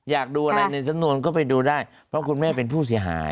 อยากดูอะไรในสำนวนก็ไปดูได้เพราะคุณแม่เป็นผู้เสียหาย